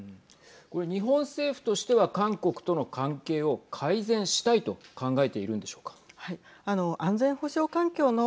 これ、日本政府としては韓国との関係を改善したいと考えているんでしょうか。